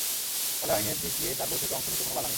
ফলে আইনের দিক দিয়ে তাঁর বৈঠকে অংশ নিতে কোনো বাধা নেই।